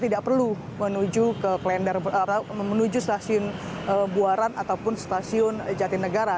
tidak perlu menuju ke klendar atau menuju stasiun buaran ataupun stasiun jati negara